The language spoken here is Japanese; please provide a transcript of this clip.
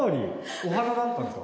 お花だったんですか。